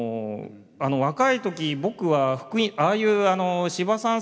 若い時僕はああいう司馬さん